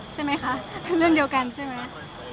ใช่ไหมคะเรื่องเดียวกันใช่ไหม